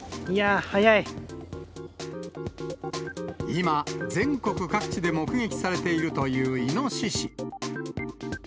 今、全国各地で目撃されているというイノシシ。